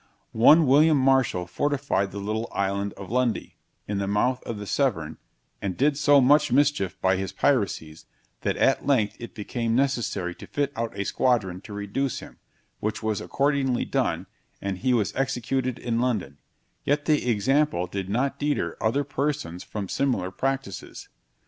One William Marshall fortified the little island of Lundy, in the mouth of the Severn, and did so much mischief by his piracies, that at length it became necessary to fit out a squadron to reduce him, which was accordingly done, and he was executed in London; yet the example did not deter other persons from similar practices.